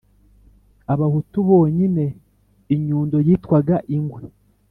abahutu bonyine! inyundo yitwaga ingwe